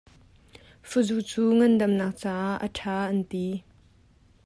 Fuzu cu ngandamnak caah a ṭha an ti.